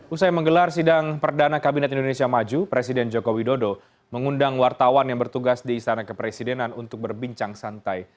usai menggelar sidang perdana kabinet indonesia maju presiden joko widodo mengundang wartawan yang bertugas di istana kepresidenan untuk berbincang santai